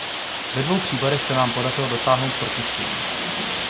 Ve dvou případech se nám podařilo dosáhnout propuštění.